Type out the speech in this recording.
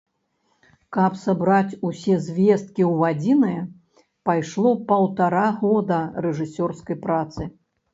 Каб сабраць усе звесткі ў адзінае пайшло паўтара года рэжысёрскай працы.